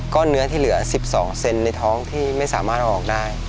เนื้อที่เหลือ๑๒เซนในท้องที่ไม่สามารถออกได้